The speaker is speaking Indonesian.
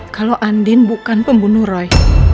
kalau andin bukan pembunuh roy